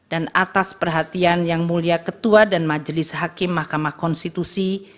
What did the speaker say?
atas perhatian yang mulia ketua dan majelis hakim mahkamah konstitusi